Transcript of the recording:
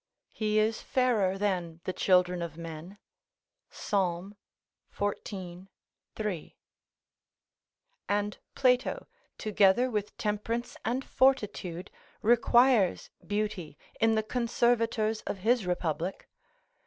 ["He is fairer than the children of men." Psalm xiv. 3.] And Plato, together with temperance and fortitude, requires beauty in the conservators of his republic.